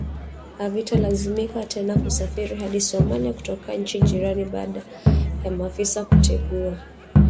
havitalazimika tena kusafiri hadi Somalia kutoka nchi jirani baada ya maafisa kutengua